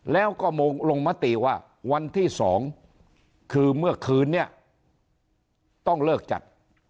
แล้วก็ลงมติว่าวันที่๒คือเมื่อคืนนี้ต้องเลิกจัด